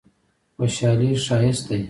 خوشحالي ښایسته دی.